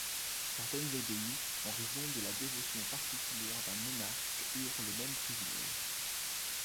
Certaines abbayes, en raison de la dévotion particulière d'un monarque eurent le même privilège.